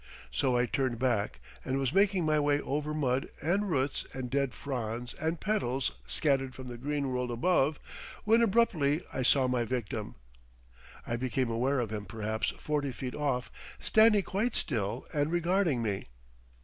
So I turned back and was making my way over mud and roots and dead fronds and petals scattered from the green world above when abruptly I saw my victim. I became aware of him perhaps forty feet off standing quite still and regarding me.